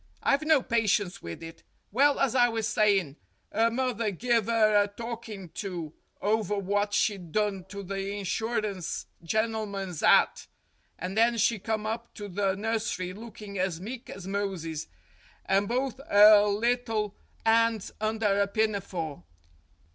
I've no patience with it. Well, as I was syin', 'er mother give 'er a talkin' to over what she'd done to the insur ance gennelman's 'at, and then she come up to the nursery lookin' as meek as Moses, and both 'er little 'ands under 'er pinafore.